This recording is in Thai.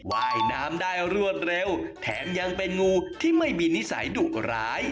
ว่ายน้ำได้รวดเร็วแถมยังเป็นงูที่ไม่มีนิสัยดุร้าย